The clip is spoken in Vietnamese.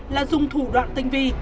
là dùng thủ đoạn tinh vi